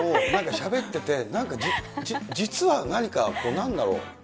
しゃべってて、なんか実は何かこう、何だろう。